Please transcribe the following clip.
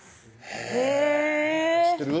へぇ知ってる？